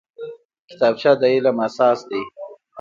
کتابچه د علم اساس دی